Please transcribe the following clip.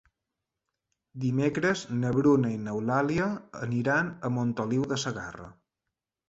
Dimecres na Bruna i n'Eulàlia aniran a Montoliu de Segarra.